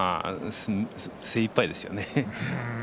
精いっぱいですよね。